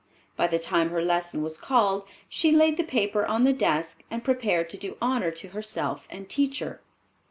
By the time her lesson was called she laid the paper on the desk, and prepared to do honor to herself and teacher.